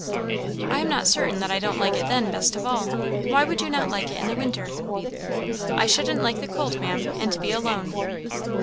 "I am not certain that I don't like it then best of all. Why would you not like it in winter?" "I shouldn't like the cold, Maam, and to be alone."